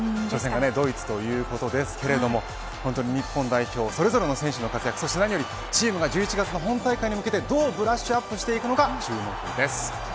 初戦がドイツということですが本当に日本代表、それぞれの活躍チームが１１月の本大会に向けてどうブラッシュアップしていくか注目です。